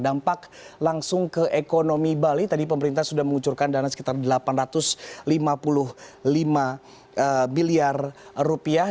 dampak langsung ke ekonomi bali tadi pemerintah sudah mengucurkan dana sekitar delapan ratus lima puluh lima miliar rupiah